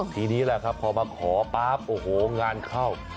ทีนี้แหละครับพอมาขอปั๊บโอ้โหงานเข้า